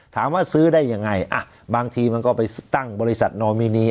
ถามว่าซื้อได้ยังไงอ่ะบางทีมันก็ไปตั้งบริษัทโนมินี